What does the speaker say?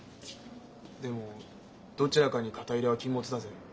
でもどちらかに肩入れは禁物だぜ。